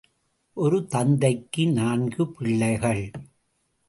ஒரு தந்தைக்கு நான்கு பிள்ளைகள்.